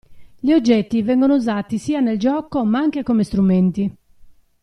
Gli oggetti vengono usati sia nel gioco ma anche come strumenti.